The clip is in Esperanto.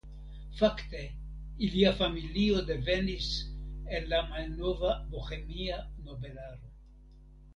Fakte ilia familio devenis el la malnova bohemia nobelaro.